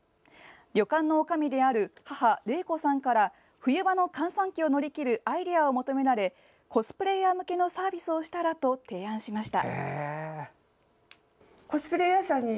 旅館の女将である母・麗子さんから冬場の閑散期を乗り切るアイデアを求められコスプレイヤー向けのサービスをしたら？と提案しました。